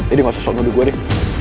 ini gak usah sok nudi gue nih